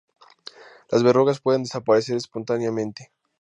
Las verrugas pueden desaparecer espontáneamente.